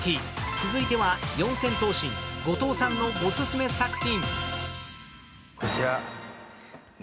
続いては四千頭身・後藤さんのおすすめ作品。